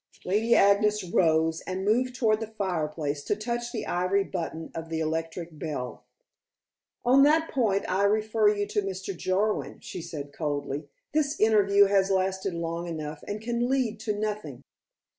Lady Agnes rose, and moved towards the fireplace to touch the ivory button of the electric bell. "On that point I refer you to Mr. Jarwin," she said coldly. "This interview has lasted long enough and can lead to nothing."